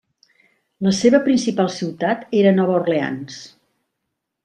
La seva principal ciutat era Nova Orleans.